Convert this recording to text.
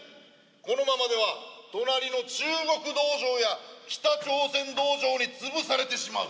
このままでは隣の中国道場や北朝鮮道場につぶされてしまう。